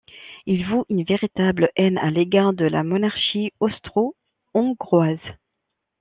Il voue une véritable haine à l'égard de la Monarchie austro-hongroise.